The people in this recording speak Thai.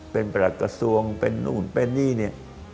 เป็นประหลักกระทรวงเป็นนู่นเป็นนี่เนี่ย